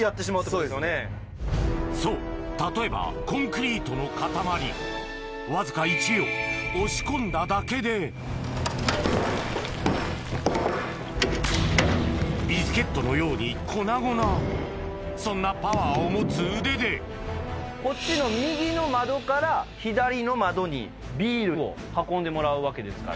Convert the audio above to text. そう例えばコンクリートの塊わずか１秒押し込んだだけでビスケットのように粉々そんなパワーを持つ腕でこっちの右の窓から左の窓にビールを運んでもらうわけですから。